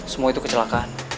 semua itu kecelakaan